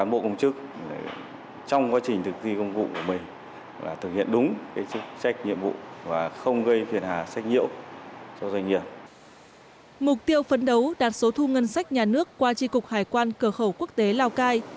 mục tiêu phấn đấu đạt số thu ngân sách nhà nước qua tri cục hải quan cửa khẩu quốc tế lào cai